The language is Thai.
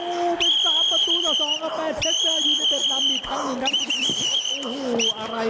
โอ้วเป็ดสารประตูโจ่สองขวานแท้เจอ๒๗นำอีกครั้งหนึ่งครับ